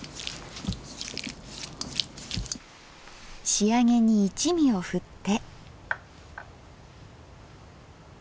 仕上げに一味をふって。